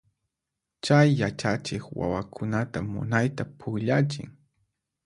Chay yachachiq wawakunata munayta pukllachin.